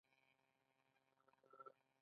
آیا د ریل لارې ختیځ او لویدیځ وصل نه کړل؟